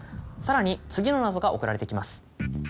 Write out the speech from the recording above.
さらに次の謎が送られてきます。